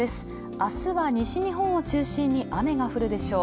明日は西日本を中心に雨が降るでしょう。